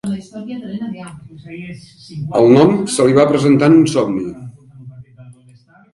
El nom se li va presentar en un somni.